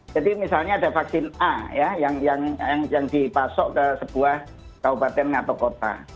jadi misalnya ada vaksin a ya yang dipasok ke sebuah kabupaten atau kota